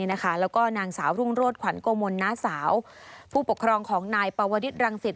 แล้วก็นางสาวรุ่งโรธขวัญโกมลน้าสาวผู้ปกครองของนายปวดรังสิต